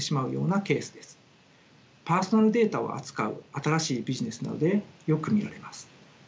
パーソナルデータを扱う新しいビジネスなどでよく見られます。